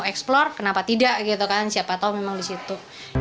eksplor kenapa tidak gitu kan siapa tahu memang di situ